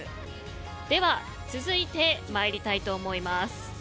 では続いてまいりたいと思います。